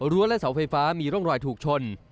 และเสาไฟฟ้ามีร่องรอยถูกชน